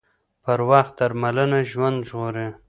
پر وخت درملنه ژوند ژغوري